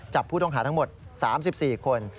จับผู้ต้องหาทั้งหมด๓๔คน